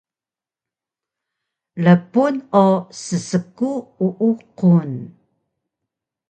Rpun o ssku uuqun